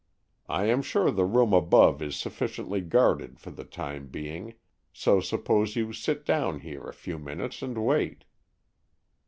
I am sure the room above is sufficiently guarded for the time being, so suppose you sit down here a few minutes and wait."